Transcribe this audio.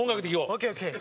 ＯＫＯＫ！